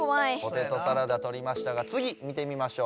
ポテトサラダとりましたがつぎ見てみましょう。